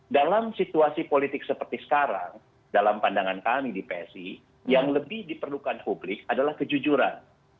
dalam situasi politik seperti sekarang dalam pandangan kami di psi yang lebih diperlukan publik adalah kejujuran